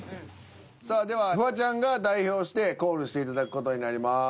さあではフワちゃんが代表してコールしていただく事になります。